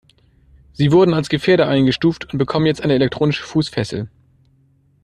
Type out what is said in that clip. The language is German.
Sie wurden als Gefährder eingestuft und bekommen jetzt eine elektronische Fußfessel.